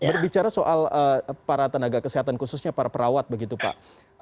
berbicara soal para tenaga kesehatan khususnya para perawat begitu pak